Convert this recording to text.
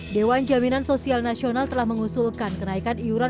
dewan jaminan sosial nasional telah mengusulkan kenaikan iuran